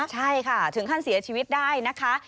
ใช่ค่ะถึงขั้นเสียชีวิตได้นะคะ